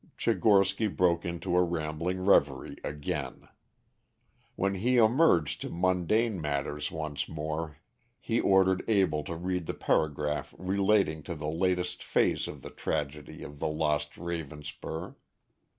Tchigorsky broke into a rambling reverie again. When he emerged to mundane matters once more he ordered Abell to read the paragraph relating to the latest phase of the tragedy of the lost Ravenspur.